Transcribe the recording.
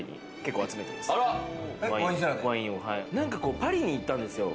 パリに行ったんですよ